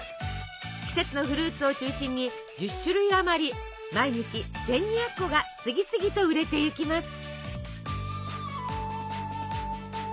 季節のフルーツを中心に１０種類あまり毎日１，２００個が次々と売れていきます。